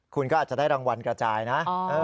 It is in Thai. คุณก็อาจจะได้รางวัลกระจายนะ